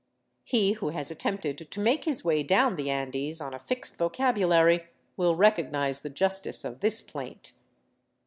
He who has at tempted to make his way down the Andes on a fixed vocabulary will recognize the justice of this plaint.